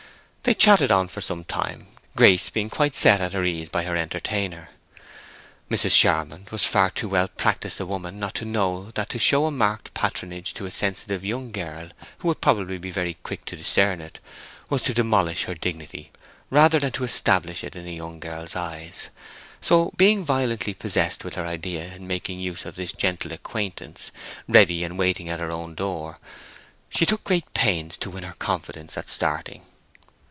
They chatted on for some time, Grace being set quite at her ease by her entertainer. Mrs. Charmond was far too well practised a woman not to know that to show a marked patronage to a sensitive young girl who would probably be very quick to discern it, was to demolish her dignity rather than to establish it in that young girl's eyes. So, being violently possessed with her idea of making use of this gentle acquaintance, ready and waiting at her own door, she took great pains to win her confidence at starting.